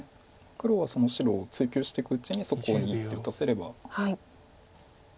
黒はその白を追及していくうちにそこに１手打たせれば。